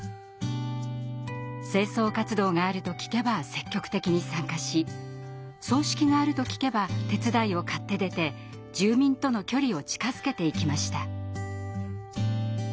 清掃活動があると聞けば積極的に参加し葬式があると聞けば手伝いを買って出て住民との距離を近づけていきました。